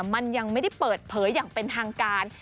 มันยังไม่ได้เปิดเผยอย่างเป็นทางการ